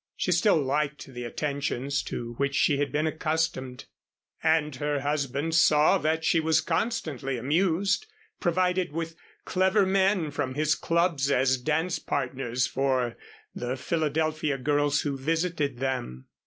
She still liked the attentions to which she had been accustomed, and her husband saw that she was constantly amused provided with clever men from his clubs as dance partners for the Philadelphia girls who visited them.